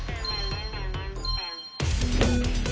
何？